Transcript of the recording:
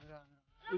enggak enggak enggak